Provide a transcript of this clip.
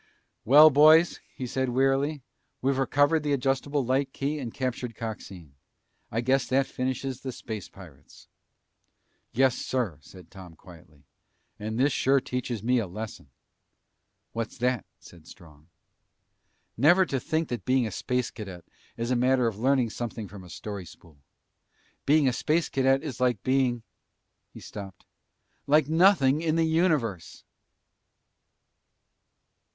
"Well, boys," he said wearily, "we've recovered the adjustable light key and captured Coxine. I guess that finishes the space pirates!" "Yes, sir," said Tom quietly. "And this sure teaches me a lesson." "What's that?" said Strong. "Never to think that being a Space Cadet is a matter of learning something from a story spool. Being a Space Cadet is like being " He stopped. "Like nothing in the universe!"